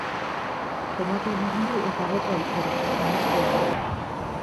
Tomatea birrindu eta bota eltzera, nahastu ondo.